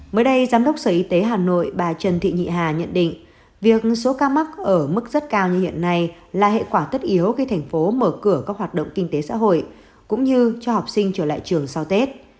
mới đây giám đốc sở y tế hà nội bà trần thị nhị hà nhận định việc số ca mắc ở mức rất cao như hiện nay là hệ quả tất yếu khi thành phố mở cửa các hoạt động kinh tế xã hội cũng như cho học sinh trở lại trường sau tết